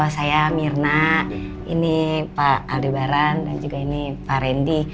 oh saya mirna ini pak aldebaran dan juga ini pak randy